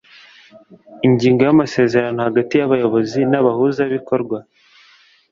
ingingo y’amasezerano hagati y’abayobozi n'abahuza bikorwa